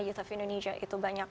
youth of indonesia itu banyak